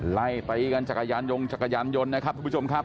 ไล่ตีกันจักรยานยงจักรยานยนต์นะครับทุกผู้ชมครับ